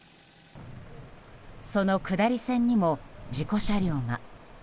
その下り線にも事故車両が。